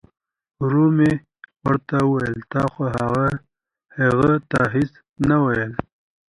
ورو مې ورته وویل تا خو هغه ته هیڅ نه ویل.